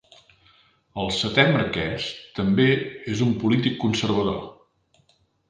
El setè marquès també és un polític conservador.